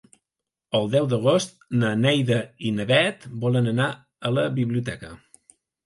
El deu d'agost na Neida i na Bet volen anar a la biblioteca.